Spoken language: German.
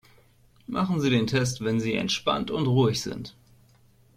Machen Sie den Test, wenn sie entspannt und ruhig sind.